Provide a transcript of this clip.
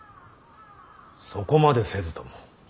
そこまでせずとも。